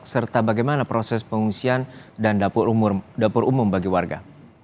serta bagaimana proses pengungsian dan dapur umum bagi warga